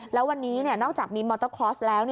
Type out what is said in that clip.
แล้ววันนี้เนี่ยนอกจากมีมอเตอร์ไซค์ลแล้ว